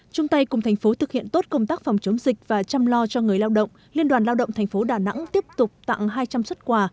chung tay cùng thành phố thực hiện tốt công tác phòng chống dịch và chăm lo cho người lao động liên đoàn lao động thành phố đà nẵng tiếp tục tặng hai trăm linh xuất quà